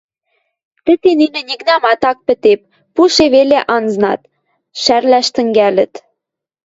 Тӹте нинӹ нигынамат ак пӹтеп, пуше веле азнаш, шӓрлӓш тӹнгӓлӹт.